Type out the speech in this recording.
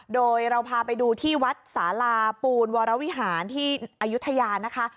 โดยเราพาไปดูที่วัดสาลาปูนวรวิหารที่อายุทยานะคะ